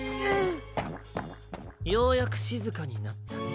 ようやくしずかになったね。